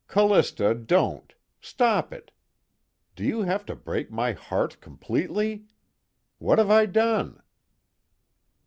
"Callista, don't! Stop it! Do you have to break my heart completely? What have I done?"